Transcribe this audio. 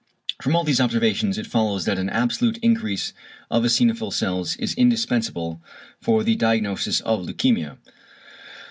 From all these observations it follows that an absolute increase of eosinophil cells is indispensable for the diagnosis of leukæmia.